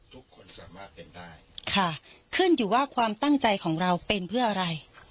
ทุกคนสามารถเป็นได้ค่ะขึ้นอยู่ว่าความตั้งใจของเราเป็นเพื่ออะไร